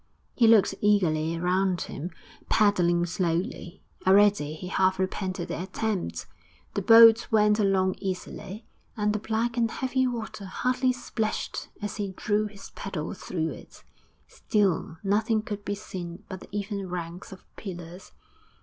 He looked eagerly around him, paddling slowly. Already he half repented the attempt. The boat went along easily, and the black and heavy water hardly splashed as he drew his paddle through it. Still nothing could be seen but the even ranks of pillars.